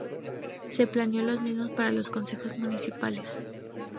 Se planeó lo mismo para los consejos municipales.